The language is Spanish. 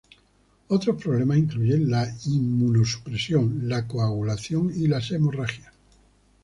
Otros problemas incluyen la inmunosupresión, la coagulación y las hemorragias.